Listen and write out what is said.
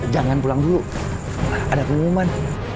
jangan pulang dulu ada pengumuman